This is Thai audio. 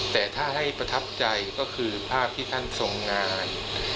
แต่ถ้าให้ประทับใจก็คือภาพที่ท่านทรงงาน